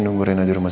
tunduk kan tuh baris